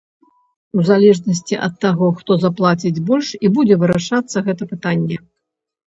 У залежнасці ад таго, хто заплаціць больш, і будзе вырашацца гэта пытанне.